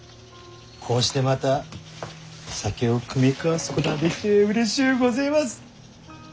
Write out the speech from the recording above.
こうしてまた酒を酌み交わすことができてうれしゅうごぜます。